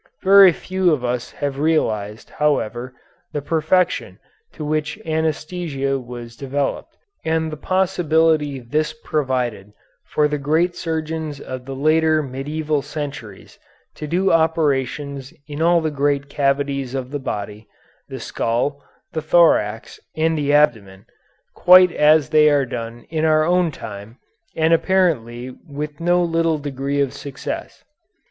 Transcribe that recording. Very few of us have realized, however, the perfection to which anæsthesia was developed, and the possibility this provided for the great surgeons of the later medieval centuries to do operations in all the great cavities of the body, the skull, the thorax, and the abdomen, quite as they are done in our own time and apparently with no little degree of success.